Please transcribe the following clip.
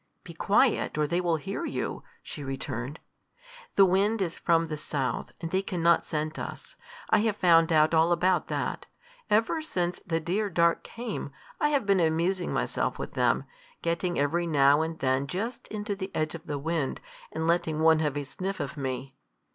"Be quiet, or they will hear you," she returned. "The wind is from the south, and they can not scent us. I have found out all about that. Ever since the dear dark came I have been amusing myself with them, getting every now and then just into the edge of the wind, and letting one have a sniff of me."